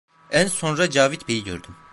En sonra Cavit Bey'i gördüm.